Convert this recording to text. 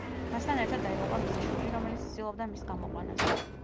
მასთან ერთად დაიღუპა მისი შვილი, რომელიც ცდილობდა მის გამოყვანას.